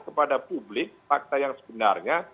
kepada publik fakta yang sebenarnya